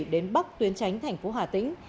đến bắc tuyến tránh thành phố hà tĩnh